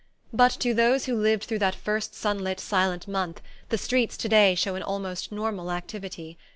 But to those who lived through that first sunlit silent month the streets to day show an almost normal activity.